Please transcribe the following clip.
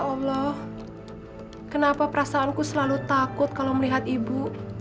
ya allah kenapa perasaanku selalu takut kalau melihat ibu